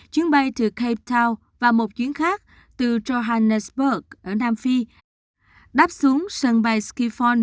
chuyến bay từ cape town và một chuyến khác từ johannesburg ở nam phi đáp xuống sân bay chiffon